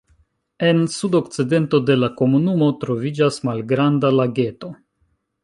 En sudokcidento de la komunumo troviĝas malgranda lageto.